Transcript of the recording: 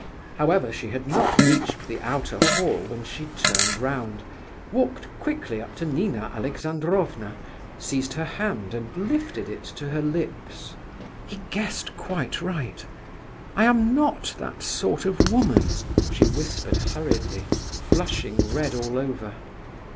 However, she had not reached the outer hall when she turned round, walked quickly up to Nina Alexandrovna, seized her hand and lifted it to her lips. "He guessed quite right. I am not that sort of woman," she whispered hurriedly, flushing red all over.